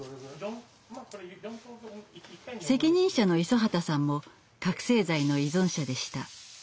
責任者の五十畑さんも覚せい剤の依存者でした。